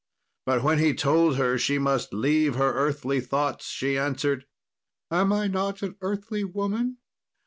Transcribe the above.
But when he told her she must leave her earthly thoughts, she answered, "Am I not an earthly woman?